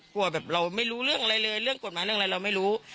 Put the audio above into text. แบบเราไม่รู้เรื่องอะไรเลยเรื่องกฎหมายเรื่องอะไรเราไม่รู้